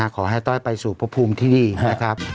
ขอให้ต้อยไปสู่พระภูมิที่นี่นะครับ